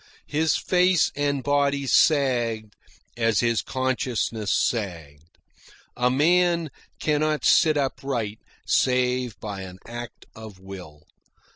His face and body sagged as his consciousness sagged. (A man cannot sit upright save by an act of will.)